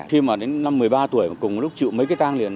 khi mà đến năm một mươi ba tuổi cùng một lúc chịu mấy cái tang liền